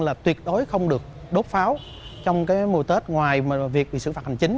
là tuyệt đối không được đốt pháo trong mùa tết ngoài mà việc bị xử phạt hành chính